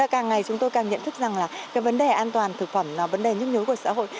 càng ngày chúng tôi càng nhận thức rằng là cái vấn đề an toàn thực phẩm là vấn đề nhức nhối của xã hội